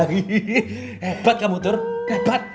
hebat kamu tur hebat